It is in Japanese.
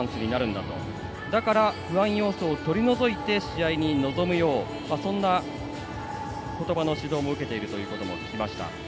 だから不安要素を取り除いて試合に臨むようそんな言葉の指導も受けていると聞きました。